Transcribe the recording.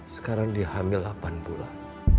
sekarang dia hamil delapan bulan